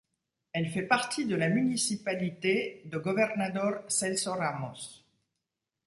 Elle fait partie de la municipalité de Governador Celso Ramos.